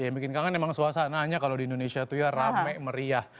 yang bikin kangen emang suasananya kalau di indonesia itu ya rame meriah